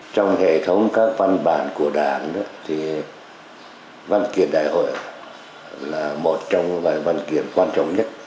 trong hệ thống các văn bản của đảng thì văn kiện đại hội là một trong vài văn kiện quan trọng nhất